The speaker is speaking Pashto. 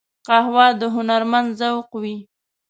قهوه د هنرمند ذوق وي